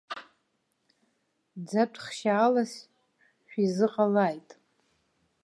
Ӡатә хшьаалас шәизыҟалааит!